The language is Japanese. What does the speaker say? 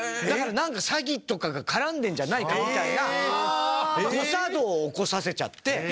だからなんか詐欺とかが絡んでるんじゃないかみたいな誤作動を起こさせちゃって。